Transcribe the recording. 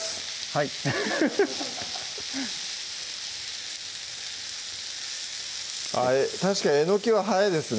はいフフフ確かにえのきは早いですね